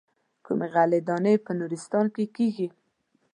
کومې غلې دانې په نورستان کې کېږي.